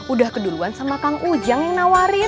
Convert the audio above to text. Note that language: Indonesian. udah keduluan sama kang ujang yang nawarin